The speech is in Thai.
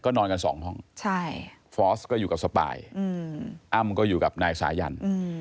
นอนกันสองห้องฟอร์สก็อยู่กับสปายอ้ำก็อยู่กับนายสายัน